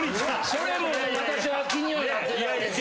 それも私は気にはなってたんです。